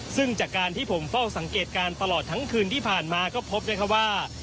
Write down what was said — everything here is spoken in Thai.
ซึ่งจากการที่ผมเฝ้าสังเกตการณ์ตลอดทั้งคืนที่ผ่านมาก็พบนะครับว่า